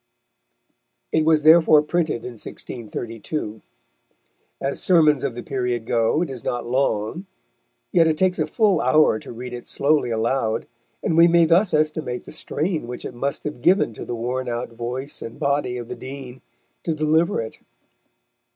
It was therefore printed in 1632. As sermons of the period go it is not long, yet it takes a full hour to read it slowly aloud, and we may thus estimate the strain which it must have given to the worn out voice and body of the Dean to deliver it.